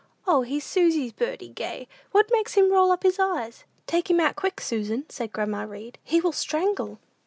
O, he's Susie's birdie gay! What makes him roll up his eyes?" "Take him out quick, Susan," said grandma Read; "he will strangle."